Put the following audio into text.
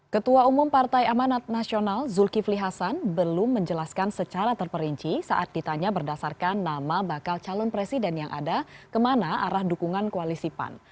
ketua umum partai amanat nasional zulkifli hasan belum menjelaskan secara terperinci saat ditanya berdasarkan nama bakal calon presiden yang ada kemana arah dukungan koalisi pan